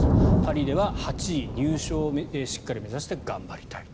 パリでは８位入賞をしっかり目指して頑張りたいと。